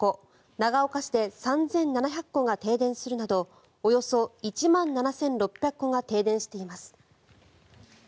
長岡市で３７００戸が停電するなどおよそ１万７６００戸が停電しています。